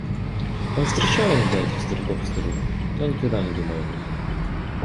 Он встречал иногда этих стариков и старух, но никогда не думал о них.